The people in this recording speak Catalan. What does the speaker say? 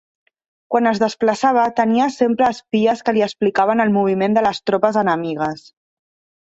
Quan es desplaçava, tenia sempre espies que li explicaven el moviment de les tropes enemigues.